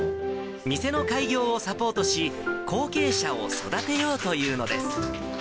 店の開業をサポートし、後継者を育てようというのです。